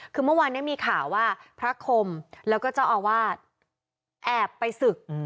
คือเมื่อวานนี้มีข่าวว่าพระคมแล้วก็เจ้าอาวาสแอบไปศึก